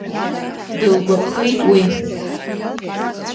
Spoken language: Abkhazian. Дылгәаԥхеит уи.